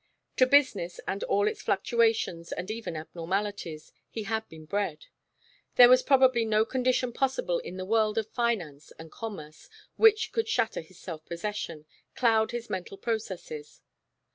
To business and all its fluctuations and even abnormalities, he had been bred; there was probably no condition possible in the world of finance and commerce which could shatter his self possession, cloud his mental processes.